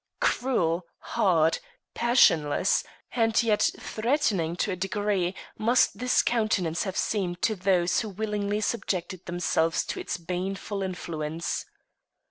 Cruel, hard, passionless, and yet threatening to a degree, must this countenance have seemed to those who willingly subjected themselves to its baneful influence.